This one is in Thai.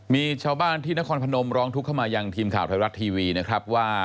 มีชาวบ้านที่นครพนมร้องทุกข์เข้ามายังทีมข่าวไทยรัฐทีวีนะครับว่า